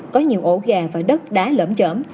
có nhiều ổ gà và đất đã lỡm trởm